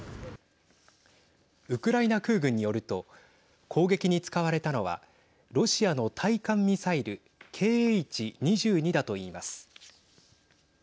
ウクライナ空軍によると攻撃に使われたのはロシアの対艦ミサイルＫｈ‐２２だと言います。